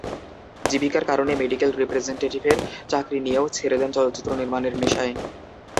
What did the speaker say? জীবিকার কারণে মেডিকেল রিপ্রেজেনটেটিভের চাকরি নিয়েও ছেড়ে দেন চলচ্চিত্র নির্মাণের নেশায়।